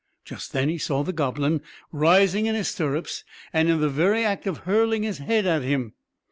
Just then he saw the goblin rising in his stirrups, and in the very act of hurling his head at him.